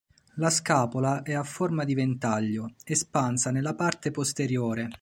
La scapola è a forma di ventaglio, espansa nella parte posteriore.